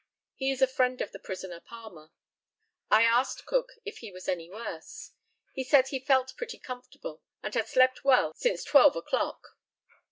He is a friend of the prisoner Palmer. I asked Cook if he was any worse? He said he felt pretty comfortable, and had slept well since twelve o'clock.